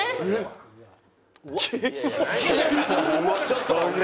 ちょっと！